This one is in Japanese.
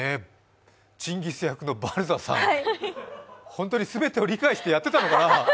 チンギス役のバルザさん、ホントに全てを理解してくれてたのかな。